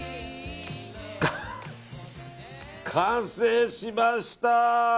完成しました！